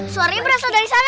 suaranya berasal dari sana